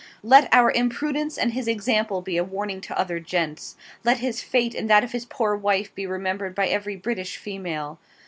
Let our imprudence and his example be a warning to other gents; let his fate and that of his poor wife be remembered by every British female.